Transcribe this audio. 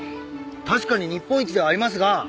確かに日本一ではありますが。